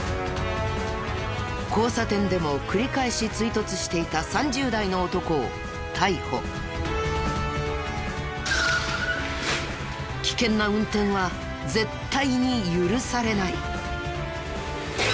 交差点でも繰り返し追突していた危険な運転は絶対に許されない。